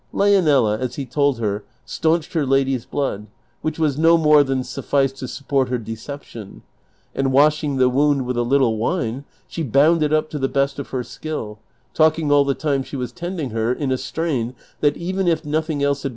Leonela, as he told her, stanched her lady's blood, which was no more than sufficed to support her deception ; and washing the wound with a little wine she bound it up to the best of her skill, talking all (he time she was tending her in a strain that, even if nothing else had be